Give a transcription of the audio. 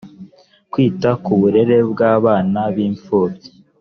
kwita ku burere bw abana b imfubyi